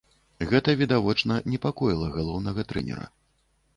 Гэта, відавочна, непакоіла галоўнага трэнера.